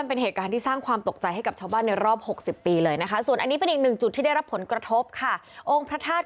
องค์พระทาชนิยค์ต้องการแบ่งแบบถูกดูและวิธีต้องการแบ่งที่ตรงนี้